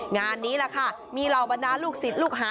งานนี้มีรอบรรดาลูกศิษย์ลูกหา